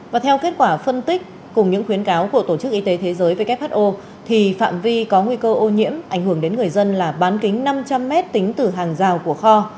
và theo kết quả phân tích cùng những khuyến cáo của tổ chức y tế thế giới who thì phạm vi có nguy cơ ô nhiễm ảnh hưởng đến người dân là bán kính năm trăm linh m tính từ hàng rào của kho